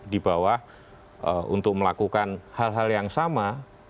di bawah untuk melakukan hal hal yang sama